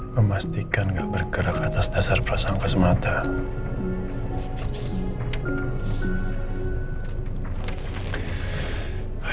memastikan gak bergerak atas dasar perasaan kesemataan